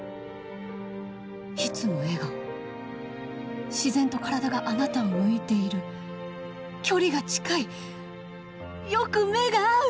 いつも笑顔自然と体があなたを向いている距離が近いよく目が合う。